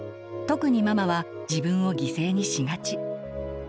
特にママは自分を犠牲にしがち。